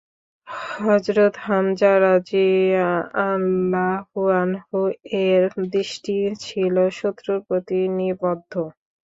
হযরত হামযা রাযিয়াল্লাহু আনহু-এর দৃষ্টি ছিল শত্রুর প্রতি নিবদ্ধ।